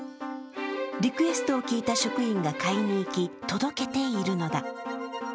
リクエストを聞いた職員が買いに行き、届けているのだ。